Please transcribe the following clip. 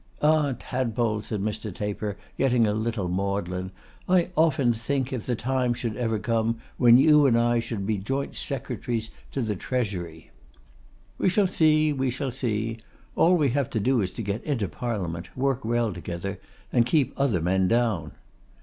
'Ah! Tadpole,' said Mr. Taper, getting a little maudlin; 'I often think, if the time should ever come, when you and I should be joint Secretaries of the Treasury!' 'We shall see, we shall see. All we have to do is to get into Parliament, work well together, and keep other men down.